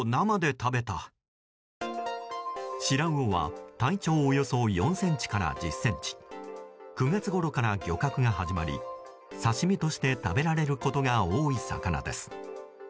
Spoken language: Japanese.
シラウオは体長およそ４ｃｍから１０ｃｍ９月ごろから漁獲が始まり刺し身として食べられることが多い魚です。